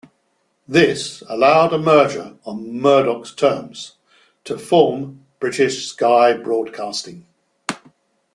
This allowed a merger on Murdoch's terms to form British Sky Broadcasting.